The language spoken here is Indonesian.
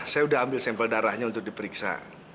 saya sudah ambil sampel darahnya untuk diperiksa